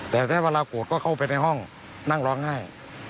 แต่ถ้าเวลาโกรธก็เข้าไปในห้องนั่งร้องไห้